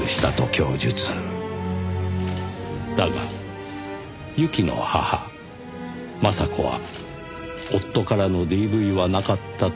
だが侑希の母麻紗子は夫からのＤＶはなかったと主張。